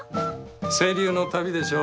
清流の旅でしょ。